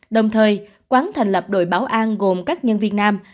đồng thời quán thành lập đội bảo an gồm các nhân viên nam